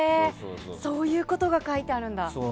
そういうことが書いてあるんだ。